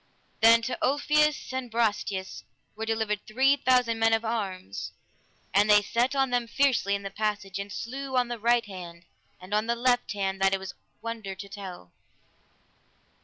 Then to Ulfius and Brastias were delivered three thousand men of arms, and they set on them fiercely in the passage, and slew on the right hand and on the left hand that it was wonder to tell.